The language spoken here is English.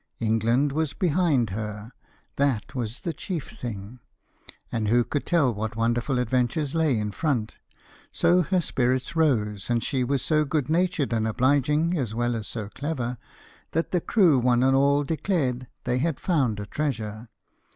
England was behind her; that was the chief thing, and who could tell what wonderful adventures lay in front? So her spirits rose, and she was so good natured and obliging as well as so clever, that the crew one and all declared they had found a treasure.